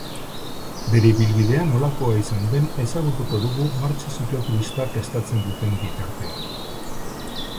Bere ibilbidea nolakoa izan den ezagutuko dugu martxa zikloturista prestatzen duten bitartean.